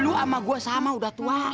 lu ama gue sama udah tuang